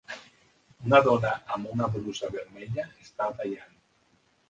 Una dona amb una brusa vermella està tallant.